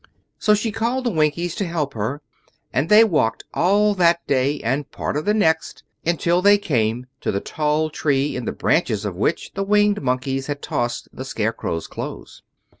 So she called the Winkies to help her, and they walked all that day and part of the next until they came to the tall tree in the branches of which the Winged Monkeys had tossed the Scarecrow's clothes.